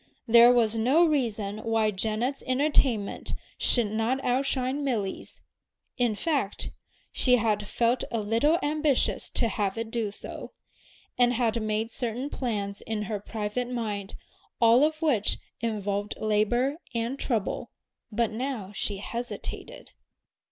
There was no reason why Janet's entertainment should not out shine Milly's. In fact, she had felt a little ambitious to have it do so, and had made certain plans in her private mind all of which involved labor and trouble; but now she hesitated.